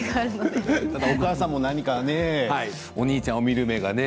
お母さんも何かお兄ちゃんを見る目がね